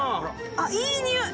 あっいいにおい！